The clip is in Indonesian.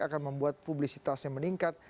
akan membuat publisitasnya meningkat